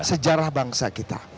sejarah bangsa kita